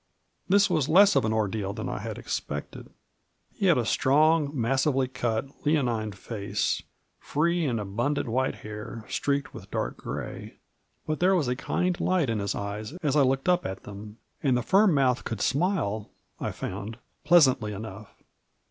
This was less of an ordeal than I had expected; he had a strong, massively cut, leonine face, free and abundant white hair, streaked with dark gray, but there was a kind light in his eyes as I looked up at them, and the firm mouth could smile, I found, pleasantly enough.